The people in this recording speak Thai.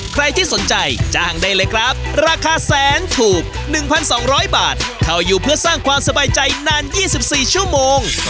ใครที่สนใจจ้างได้เลยครับราคาแสนถูก๑๒๐๐บาทเข้าอยู่เพื่อสร้างความสบายใจนาน๒๔ชั่วโมง